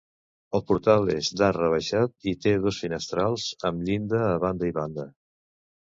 El portal és d'arc rebaixat i té dos finestrals amb llinda a banda i banda.